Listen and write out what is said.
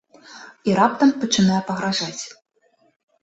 І раптам пачынае пагражаць.